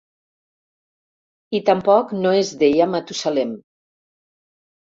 I tampoc no es deia Matusalem.